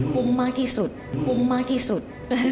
มากที่สุดคุ้มมากที่สุด